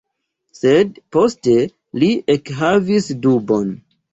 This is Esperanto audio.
Sed poste li ekhavis dubon.